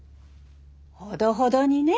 ほどほどにね。